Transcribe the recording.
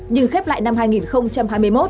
nhưng khép lại năm hai nghìn hai mươi một